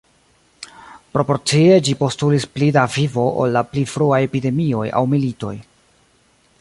Proporcie, ĝi postulis pli da vivo ol la pli fruaj epidemioj aŭ militoj.